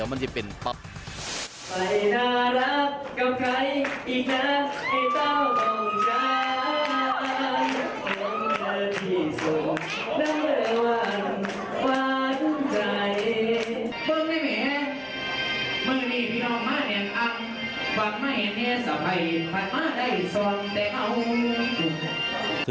ว่าเคยเป็นกรรมการมาก่อนเลย